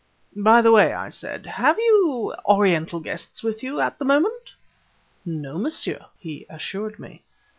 "By the way," I said, "have you Oriental guests with you, at the moment?" "No, monsieur," he assured me.